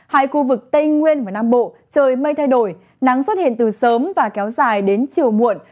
hai khu vực tây nguyên và nam bộ trời mây thay đổi nắng xuất hiện từ sớm và kéo dài đến chiều muộn